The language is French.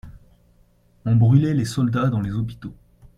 On brûlait les soldats dans les hôpitaux.